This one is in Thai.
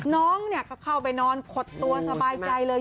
น้องก็เข้าไปนอนขดตัวสบายใจเลย